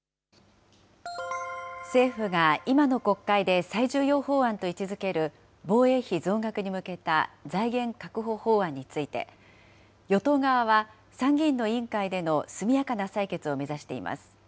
政府が今の国会で最重要法案と位置づける、防衛費増額に向けた財源確保法案について、与党側は参議院の委員会での速やかな採決を目指しています。